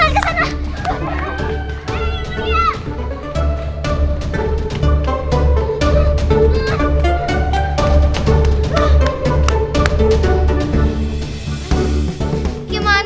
kalau tidak kita bencar aja